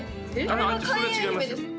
あれは開運姫です